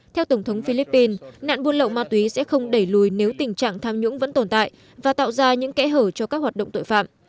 theo tổng thống philippines nạn buôn lậu ma túy sẽ không đẩy lùi nếu tình trạng tham nhũng vẫn tồn tại và tạo ra những kẽ hở cho các hoạt động tội phạm